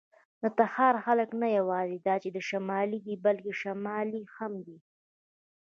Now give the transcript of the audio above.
د تخار خلک نه یواځې دا چې شمالي دي، بلکې شمالي هم دي.